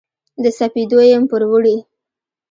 د سپېدو یم پوروړي